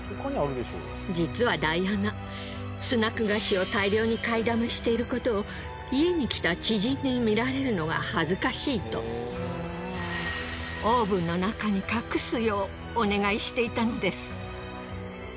実はダイアナスナック菓子を大量に買いだめしていることを家に来た知人に見られるのが恥ずかしいとオーブンの中に隠すようお願いしていたのです。